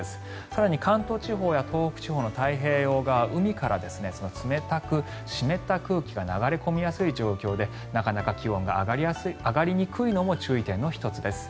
更に関東地方や東北地方の太平洋側は海から冷たく湿った空気が流れ込みやすい状況でなかなか気温が上がりにくいのも注意点の１つです。